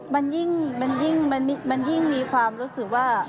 มันยิ่งมีความรู้สึกว่า